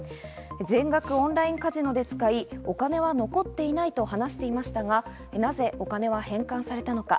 全額オンラインカジノで使い、お金は残っていないと話していましたが、なぜお金は返還されたのか？